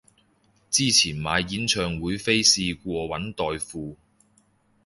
之前買演唱會飛試過搵代付